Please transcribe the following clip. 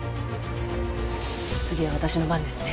次は私の番ですね。